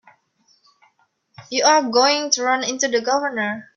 You're going to run into the Governor.